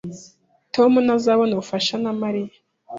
Tom ntazabona ubufasha na Mariya